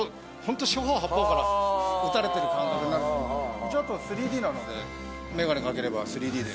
一応あと３Ｄなのでメガネかければ３Ｄで。